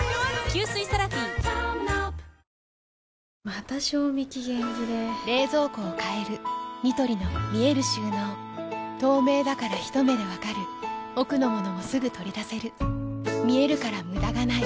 また賞味期限切れ冷蔵庫を変えるニトリの見える収納透明だからひと目で分かる奥の物もすぐ取り出せる見えるから無駄がないよし。